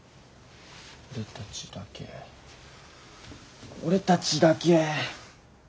俺たちだけ俺たちだけ。